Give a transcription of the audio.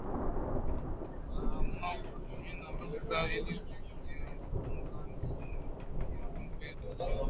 Wakaamua kutumia nafasi zao ili kuziunganisha nchi hizo mbili